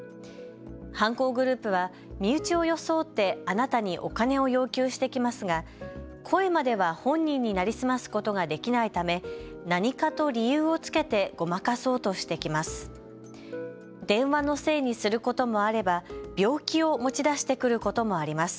犯行グループは身内を装ってあなたにお金を要求してきますが声までは本人に成り済ますことができないため、何かと理由をつけてごまかそうとしてきます。